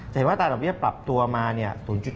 แต่เห็นว่าตลาดหุ้นปรับตัวมา๐๗๕ครั้งนี้